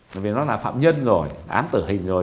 bởi vì nó là phạm nhân rồi án tử hình rồi